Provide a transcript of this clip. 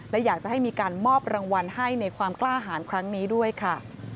และอยากจะให้มีการมอบรางวัลให้ในความกล้าหารครั้งนี้ด้วยค่ะ